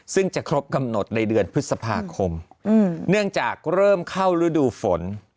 ซึ่งจะครบกำหนดในเดือนพฤษภาคมเนื่องจากเริ่มเข้าฤดูฝน